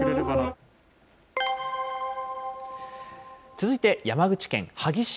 続いて、山口県萩市。